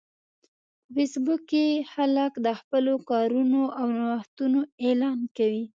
په فېسبوک کې خلک د خپلو کارونو او نوښتونو اعلان کوي